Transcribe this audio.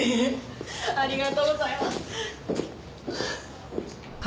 ありがとうございます。